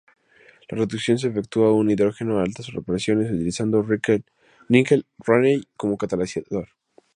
La reducción se efectúa con hidrógeno a altas presiones utilizando níquel Raney como catalizador.